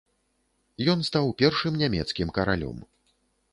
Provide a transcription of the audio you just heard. Ён стаў першым нямецкім каралём.